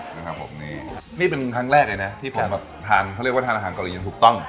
นะครับผมนี่นี่เป็นครั้งแรกเลยนะที่ผมแบบทานเขาเรียกว่าทานอาหารเกาหลีอย่างถูกต้อง